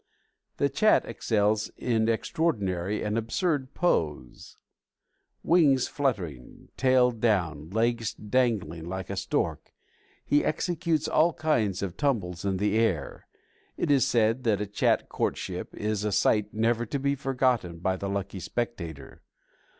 The Chat excels in extraordinary and absurd pose; wings fluttering, tail down, legs dangling like a Stork, he executes all kinds of tumbles in the air. It is said that a Chat courtship is a sight never to be forgotten by the lucky spectator.